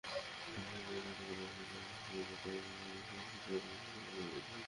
ঢাকা বিশ্ববিদ্যালয়ের চারুকলা অনুষদের জয়নুল গ্যালারিতে প্রাচ্যকলা বিভাগের শিক্ষার্থীদের বার্ষিক শিল্পকর্ম প্রদর্শনী।